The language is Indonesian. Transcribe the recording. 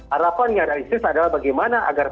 harapan yang realistis adalah bagaimana agar